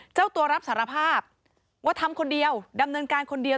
เจ้าตัวรับสารภาพว่าทำคนเดียวดำเนินการคนเดียว